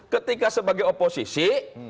ketika sebagai oposisi